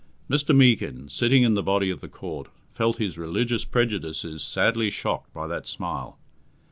Mr. Meekin, sitting in the body of the Court, felt his religious prejudices sadly shocked by that smile.